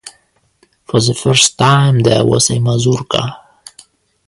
For the first time there was a mazurka.